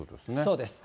そうです。